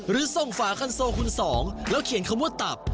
หรือส่งฝาคันโซคุณสองแล้วเขียนคำว่าตับ